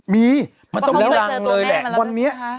มีมันต้องมีรังเลยแหละ